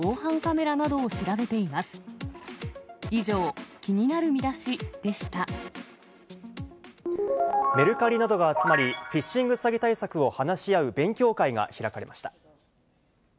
メルカリなどが集まり、フィッシング詐欺対策などを話し合う勉強会が開かれました。